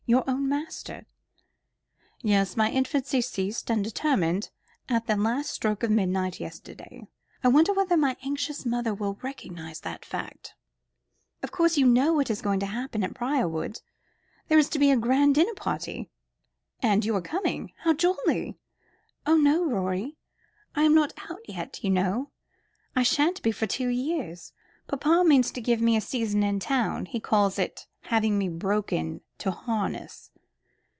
Your own master." "Yes, my infancy ceased and determined at the last stroke of midnight yesterday. I wonder whether my anxious mother will recognise that fact?" "Of course you know what is going to happen at Briarwood. There is to be a grand dinner party." "And you are coming? How jolly!" "Oh, no, Rorie. I am not out yet, you know. I shan't be for two years. Papa means to give me a season in town. He calls it having me broken to harness.